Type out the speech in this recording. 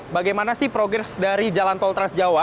bagaimana sih progres dari jalan tol transjawa